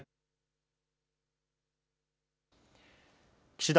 岸田